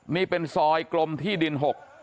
นี่เป็นซอยกลมที่ดิน๖